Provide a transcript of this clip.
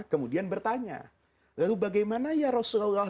kemudian bertanya lalu bagaimana ya rasulullah